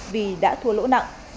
vì đã thua lỗ nặng